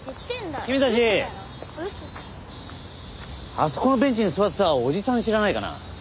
あそこのベンチに座ってたおじさん知らないかな？